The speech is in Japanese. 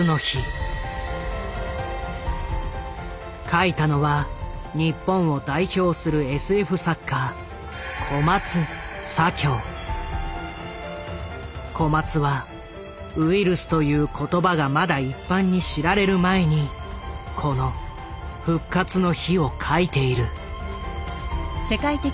書いたのは日本を代表するＳＦ作家小松は「ウイルス」という言葉がまだ一般に知られる前にこの「復活の日」を書いている。